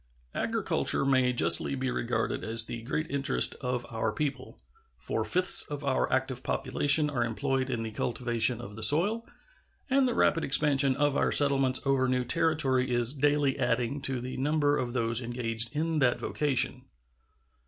Agriculture may justly be regarded as the great interest of our people. Four fifths of our active population are employed in the cultivation of the soil, and the rapid expansion of our settlements over new territory is daily adding to the number of those engaged in that vocation.